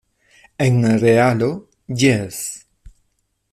En realo, jes.